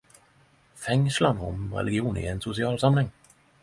Fengslande om religion i ein sosial samanheng!